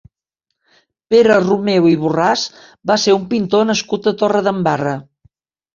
Pere Romeu i Borràs va ser un pintor nascut a Torredembarra.